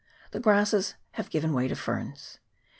The grasses have given way to ferns.